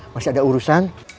masih ada urusan